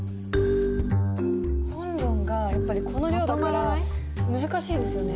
本論がやっぱりこの量だから難しいですよね。